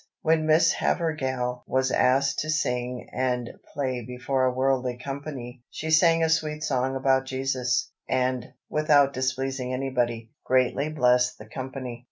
When Miss Havergal was asked to sing and play before a worldly company, she sang a sweet song about Jesus, and, without displeasing anybody, greatly blessed the company.